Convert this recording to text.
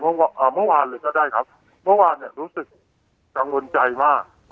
เมื่อวานเลยก็ได้ครับเมื่อวานเนี่ยรู้สึกกังวลใจมาก